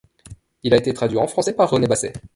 Il a été traduit en français par René Basset.